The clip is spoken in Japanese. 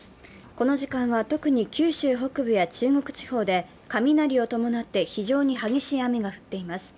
この時間は特に九州北部や中国地方で雷を伴って非常に激しい雨が降っています。